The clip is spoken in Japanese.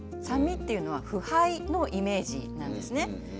酸味っていうのは腐敗のイメージなんですね。